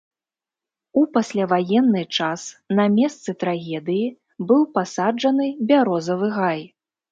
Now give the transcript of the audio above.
У пасляваенны час на месцы трагедыі быў пасаджаны бярозавы гай.